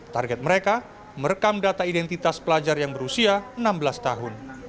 target mereka merekam data identitas pelajar yang berusia enam belas tahun